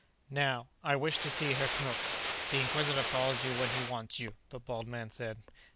"Now, I wish to see Herr Knupf." "The Inquisitor calls you when he wants you," the bald man said.